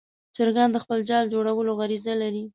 چرګان د خپل ځاله جوړولو غریزه لري.